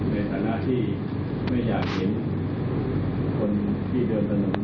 ในฐานะที่ไม่อยากเห็นคนที่เดินตรวจสอบว่า